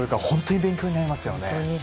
本当に勉強になりますよね。